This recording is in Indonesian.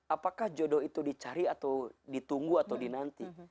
apakah jodoh itu dicari atau ditunggu atau dinanti